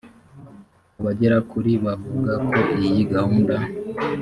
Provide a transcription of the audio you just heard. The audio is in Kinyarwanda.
abagera kuri bavuga ko iyi gahunda